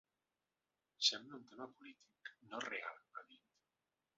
Sembla un tema polític, no real, ha dit.